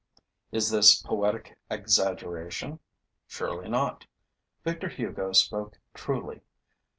Is this poetic exaggeration? Surely not: Victor Hugo spoke truly.